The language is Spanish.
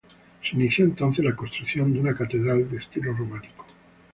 Se inició entonces la construcción de una catedral de estilo románico.